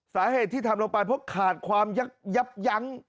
สาเหตุที่ทำลงไปเพราะขาดความยับยั้ง